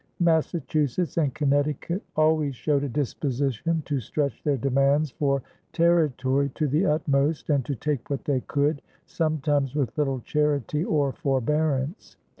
Massachusetts and Connecticut always showed a disposition to stretch their demands for territory to the utmost and to take what they could, sometimes with little charity or forbearance.